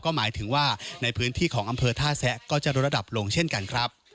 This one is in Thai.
หมายถึงว่าในพื้นที่ของอำเภอท่าแซะก็จะลดระดับลงเช่นกันครับ